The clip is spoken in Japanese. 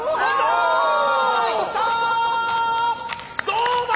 どうだ？